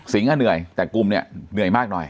สิงศ์อ่ะเหนื่อยแต่กุมเนี่ยเหนื่อยมากหน่อย